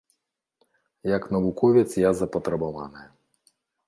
Як навуковец я запатрабаваная.